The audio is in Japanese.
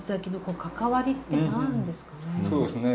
そうですね。